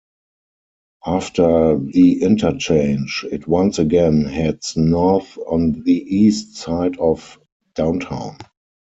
After the interchange, it once again heads north on the east side of Downtown.